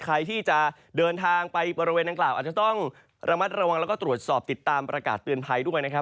ใครที่จะเดินทางไปบริเวณนางกล่าวอาจจะต้องระมัดระวังแล้วก็ตรวจสอบติดตามประกาศเตือนภัยด้วยนะครับ